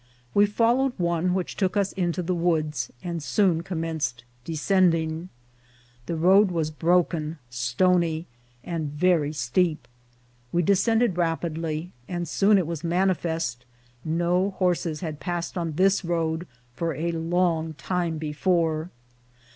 We followed one which took us into the woods, and soon commenced descending. The road was broken, stony, and very steep ; we descended rap idly, and soon it was manifest no horses had passed on this road for a long time before.